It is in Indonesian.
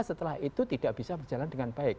setelah itu tidak bisa berjalan dengan baik